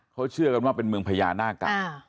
เขาเชื่อกันว่าเป็นเมืองพญานาคเก่า